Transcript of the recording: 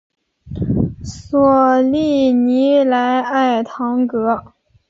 索利尼莱埃唐格。